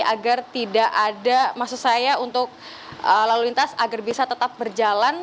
agar tidak ada maksud saya untuk lalu lintas agar bisa tetap berjalan